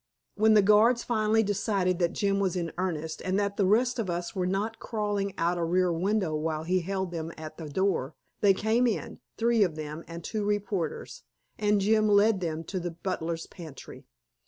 When the guards finally decided that Jim was in earnest, and that the rest of us were not crawling out a rear window while he held them at the door, they came in, three of them and two reporters, and Jim led them to the butler's pantry.